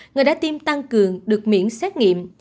người đã tiêm tăng cường được miễn xét nghiệm